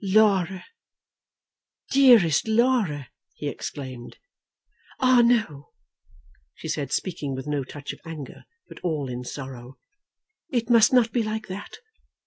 "Laura, dearest Laura!" he exclaimed. "Ah, no!" she said, speaking with no touch of anger, but all in sorrow; "it must not be like that.